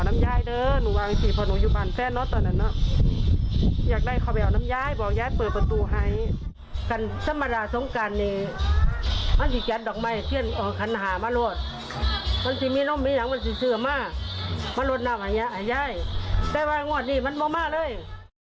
ไม่มีอะไรจะให้แย้ร่วมลัดดีมากเลย